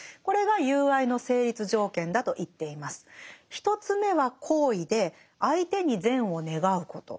１つ目は好意で相手に善を願うこと。